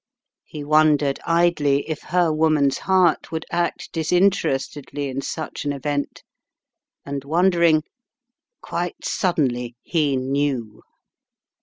He wondered idly if her woman's heart would act disinterestedly in such an event and wondering, quite suddenly he knew.